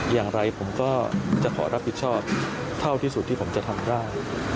อย่างไรผมก็จะขอรับผิดชอบเท่าที่สุดที่ผมจะทำได้